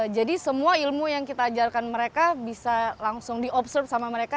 jadi semua ilmu yang kita ajarkan mereka bisa langsung diobserve sama mereka